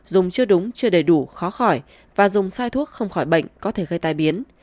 dùng chưa đúng chưa đầy đủ khó khỏi và dùng sai thuốc không khỏi bệnh có thể gây tai biến